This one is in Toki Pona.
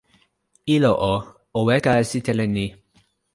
ilo o, o weka e sitelen ni.